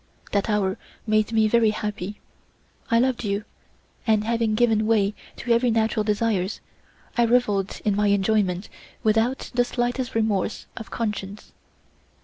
That hour made me very happy: I loved you, and having given way to very natural desires, I revelled in my enjoyment without the slightest remorse of conscience.